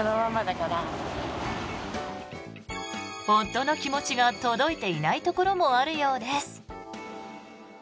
夫の気持ちが届いていないところもあるようです。